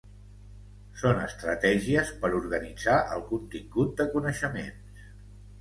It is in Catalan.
Són estratègies per organitzar el contingut de coneixements.